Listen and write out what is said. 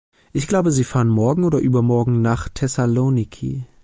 Ich glaube Sie fahren morgen oder übermorgen nach Thessaloniki.